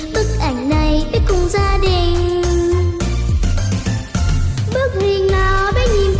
bức ảnh nào bé cũng xinh